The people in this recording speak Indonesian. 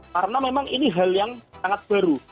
karena memang ini hal yang sangat baru